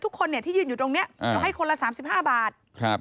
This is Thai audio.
ทุกคนที่ยืนตรงนี้เอาให้คนละ๓๕บาท